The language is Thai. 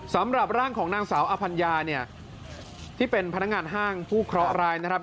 สำหรับร่างของนางสาวอภัญญาเนี่ยที่เป็นพนักงานห้างผู้เคราะหร้ายนะครับ